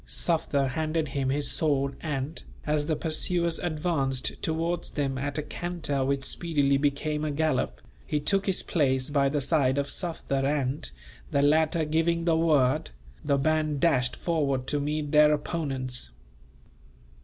Sufder handed him his sword and, as the pursuers advanced towards them at a canter which speedily became a gallop, he took his place by the side of Sufder and, the latter giving the word, the band dashed forward to meet their opponents.